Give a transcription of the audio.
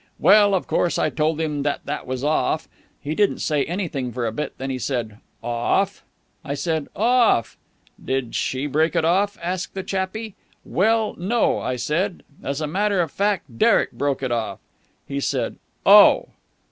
Well, of course, I told him that that was off. He didn't say anything for a bit, then he said 'Off?' I said 'Off.' 'Did she break it off?' asked the chappie. 'Well, no,' I said. 'As a matter of fact Derek broke it off.' He said 'Oh!'